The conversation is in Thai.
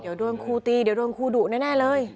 เดี๋ยวโดนครูตีเดี๋ยวโดนครูดุแน่เลย